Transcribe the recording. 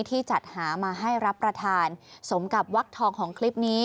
ที่จัดหามาให้รับประทานสมกับวักทองของคลิปนี้